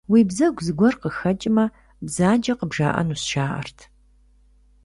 Уи бзэгу зыгуэр къыхэкӏмэ, бзаджэ къыбжаӏэнущ, жаӏэрт.